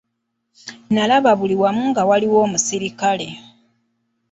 Nalaba buli wamu nga waliwo omusirikale.